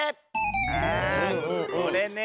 あこれね。